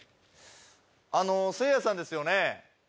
あのせいやさんですよね？